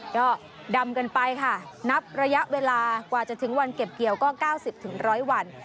ก็ดำกันไปค่ะนับระยะเวลากว่าจะถึงวันเก็บเกี่ยวก็๙๐๑๐๐วัน